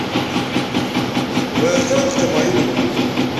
Bɣiɣ kan ad qqimeɣ yid-went.